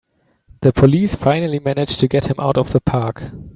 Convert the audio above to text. The police finally manage to get him out of the park!